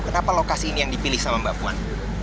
kenapa lokasi ini yang dipilih sama mbak puan